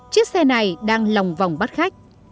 chiếc xe này đang lòng vòng bắt khách